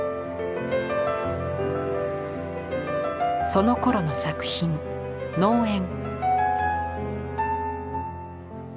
そのころの作品「農園」。